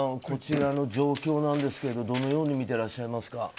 こちらの状況なんですがどのように見てらっしゃいますか？